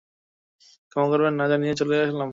ক্ষমা করবেন, না জানিয়ে চলে এলাম।